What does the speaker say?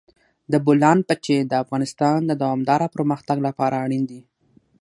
د بولان پټي د افغانستان د دوامداره پرمختګ لپاره اړین دي.